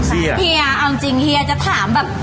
เฮียเอาจริงเฮียจะถามแบบ